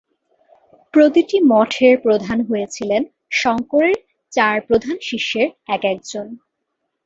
প্রতিটি মঠের প্রধান হয়েছিলেন শঙ্করের চার প্রধান শিষ্যের এক একজন।